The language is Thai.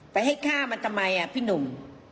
ไปให้ฆ่ามันทำไมพี่หนุ่ม